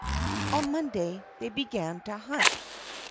"On Monday they began to hunt."